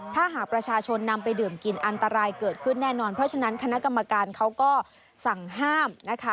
ถ้าหากประชาชนนำไปดื่มกินอันตรายเกิดขึ้นแน่นอนเพราะฉะนั้นคณะกรรมการเขาก็สั่งห้ามนะคะ